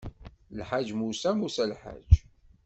Lḥaǧ musa, musa lḥaǧ.